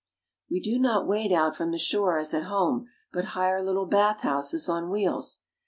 We do not wade out from the shore as at home, but hire little bathhouses on wheels.